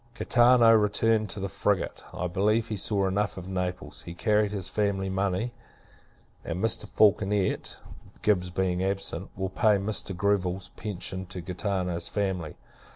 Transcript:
Gaetano returned in the frigate. I believe, he saw enough of Naples. He carried his family money; and Mr. Falconet (Gibbs being absent) will pay Mr. Greville's pension to Gaetano's family.